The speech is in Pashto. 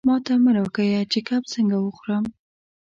ماته مه را ښیه چې کب څنګه وخورم.